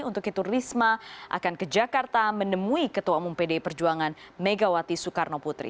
untuk itu risma akan ke jakarta menemui ketua umum pdi perjuangan megawati soekarno putri